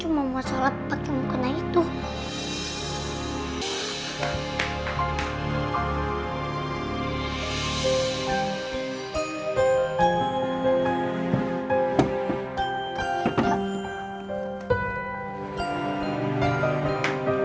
mama kan cuma mau sholat tetap cuma kena itu